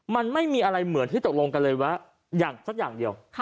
มันไม่มีอะไรเหมือนที่ตกลงกันเลยว่าอย่างสักอย่างเดียว